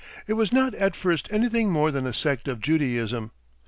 It was not at first anything more than a sect of Judaism.